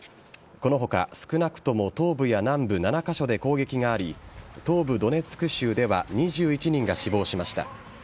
この他、少なくとも東部や南部７カ所で攻撃があり東部・ドネツク州では２１人が死亡しました。